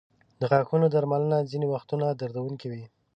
د غاښونو درملنه ځینې وختونه دردونکې وي.